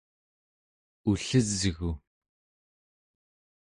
ullesgu!